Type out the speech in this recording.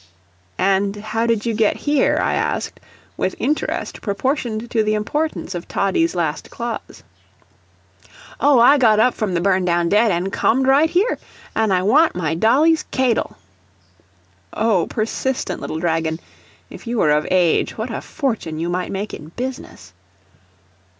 "And how did you get here?" I asked, with interest proportioned to the importance of Toddie's last clause. "Oh, I got up from the burn down dead, an' COMED right here. An' I want my dolly's k'adle." Oh persistent little dragon! If you were of age, what a fortune you might make in business!